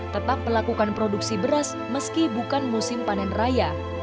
diperlukan untuk memenuhi cadangan beras